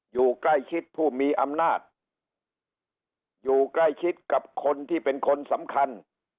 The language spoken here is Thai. อยู่ใกล้ชิดผู้มีอำนาจอยู่ใกล้ชิดกับคนที่เป็นคนสำคัญ